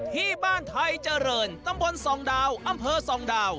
ที่บ้านไทยเจริญตำบลส่องดาวอำเภอส่องดาว